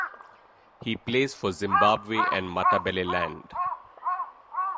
He plays for Zimbabwe and Matabeleland.